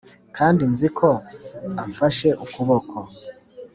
kandi nzi ko amfashe ukuboko.